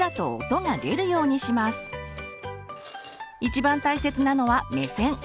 一番大切なのは目線。